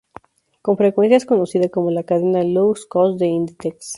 Con frecuencia es conocida como la cadena "low cost" de Inditex.